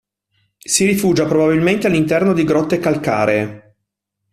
Si rifugia probabilmente all'interno di grotte calcaree.